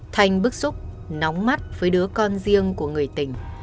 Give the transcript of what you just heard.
thanh bức xúc nóng mắt với đứa con riêng của người tình